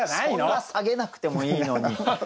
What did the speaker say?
そんな下げなくてもいいのに。